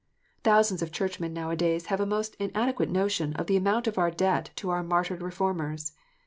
Thousands of Churchmen now a days have a most inadequate notion of the amount of our debt to our martyred Reformers.